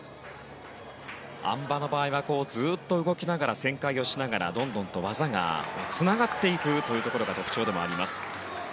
あん馬の場合はずっと動きながら旋回をしながらどんどんと、技がつながっていくというところが特徴でもあります。